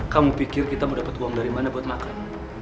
kamu pikir kita mau dapat uang dari mana buat makan